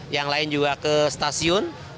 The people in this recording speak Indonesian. yang lain juga ke stasiun